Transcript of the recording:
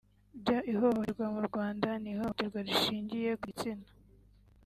by’ ihohoterwa mu Rwanda ni ihohoterwa rishingiye ku gitsina